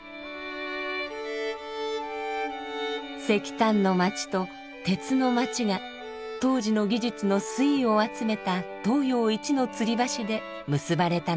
石炭の街と鉄の街が当時の技術の粋を集めた東洋一の吊り橋で結ばれたのです。